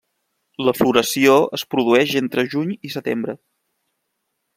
La floració es produeix entre juny i setembre.